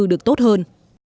được tốt hơn